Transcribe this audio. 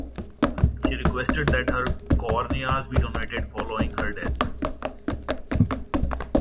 She requested that her corneas be donated following her death.